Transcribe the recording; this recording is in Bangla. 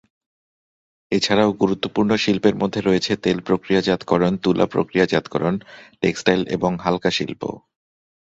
এছাড়াও গুরুত্বপূর্ণ শিল্পের মধ্যে রয়েছে তেল প্রক্রিয়াজাতকরণ, তুলা প্রক্রিয়াজাতকরণ, টেক্সটাইল এবং হালকা শিল্প।